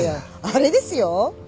あれですよ。